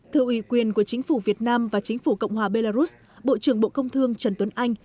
thư ủy quyền của chính phủ việt nam và chính phủ cộng hòa belarus bộ trưởng bộ công thương trần tuấn anh